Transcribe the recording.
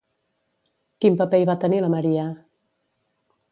Quin paper hi va tenir la Maria?